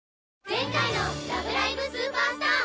前回の「ラブライブ！スーパースター！！